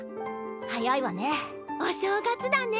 早いわね。お正月だね。